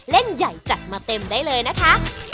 ใหญ่จัดมาเต็มได้เลยนะคะ